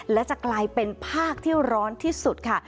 และจะกลายเป็นภาคที่ร้อนที่สุดค่ะ